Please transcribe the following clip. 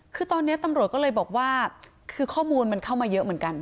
คือตอนนี้ตำรวจก็เลยบอกว่าคือข้อมูลมันเข้ามาเยอะเหมือนกัน